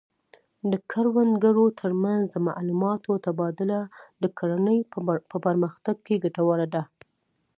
د کروندګرو ترمنځ د معلوماتو تبادله د کرنې په پرمختګ کې ګټوره ده.